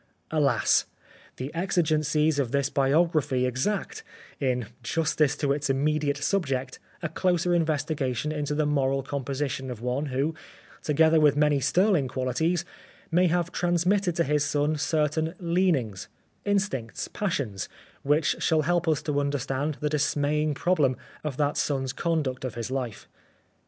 Alas ! the exigencies of this 26 The Life of Oscar Wilde biography exact, in justice to its immediate subject, a closer investigation into the moral composition of one who, together with many sterling qualities, may have transmitted to his son certain leanings, instincts, passions, which shall help us to understand the dismaying pro blem of that son's conduct of his life.